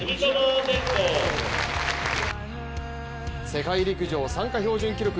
世界陸上参加標準記録